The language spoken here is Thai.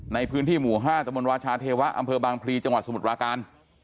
ในพื้นที่หมู่๕ตมราชาเทวะอำเภอบางพลีจังหวัดสมุทรปราการ